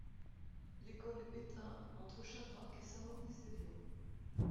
L'école est un entre Chabrac et Saint-Maurice-des-Lions.